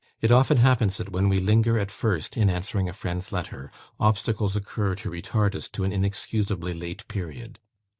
It often happens that when we linger at first in answering a friend's letter, obstacles occur to retard us to an inexcusably late period.